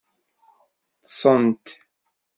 Ṭṭṣent.